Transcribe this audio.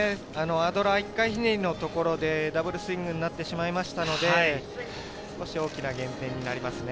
アドラー１回ひねりのところでダブルスイングになってしまいましたので、大きな減点になりますね。